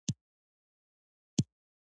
هغوی چې دفاع کوله دې تورونو ته ځوابونه وویل.